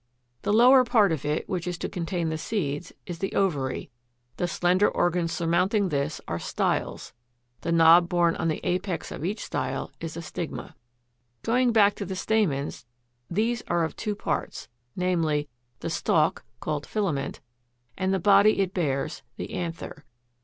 The lower part of it, which is to contain the seeds, is the OVARY; the slender organs surmounting this are STYLES; the knob borne on the apex of each style is a STIGMA. Going back to the stamens, these are of two parts, viz. the stalk, called FILAMENT, and the body it bears, the ANTHER.